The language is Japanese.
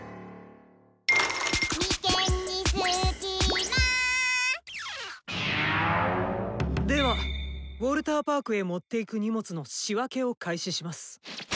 眉間にではウォルターパークへ持っていく荷物の「仕分け」を開始します。